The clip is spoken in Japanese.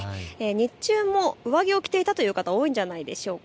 日中も上着を着ていたという方が多いんじゃないでしょうか。